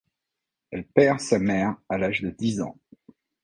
Elle perd sa mère à l'âge de dix ans.